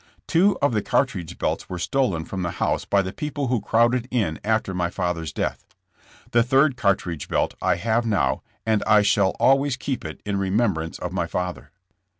Two of the cartridge belts were stolen from the house by the people who crowded in after my father's death. The third cartridge belt I have now and I shall always keep it in remembrance of my father.